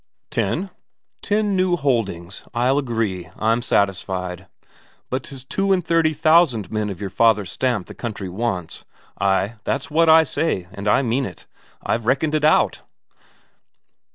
"Ten." "Ten new holdings. I'll agree. I'm satisfied. But 'tis two and thirty thousand men of your father's stamp the country wants. Ay, that's what I say, and I mean it; I've reckoned it out."